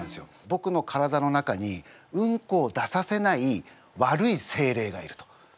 ぼくの体の中にうんこを出させない悪いせいれいがいると。